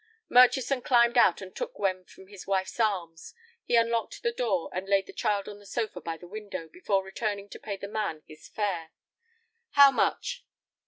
Murchison climbed out and took Gwen from his wife's arms. He unlocked the door, and laid the child on the sofa by the window, before returning to pay the man his fare. "How much?"